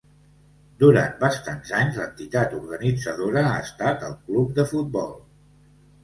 Durant bastants anys l'entitat organitzadora ha estat el Club de Futbol.